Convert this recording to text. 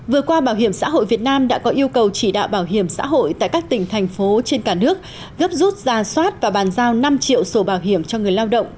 vừa qua bảo hiểm xã hội việt nam đã có yêu cầu chỉ đạo bảo hiểm xã hội tại các tỉnh thành phố trên cả nước gấp rút giả soát và bàn giao năm triệu sổ bảo hiểm cho người lao động